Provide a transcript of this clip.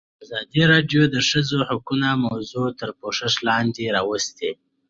ازادي راډیو د د ښځو حقونه موضوع تر پوښښ لاندې راوستې.